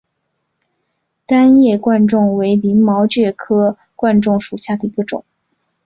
单叶贯众为鳞毛蕨科贯众属下的一个种。